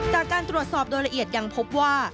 จากการตรวจสอบโดยละเอียดยังพบว่า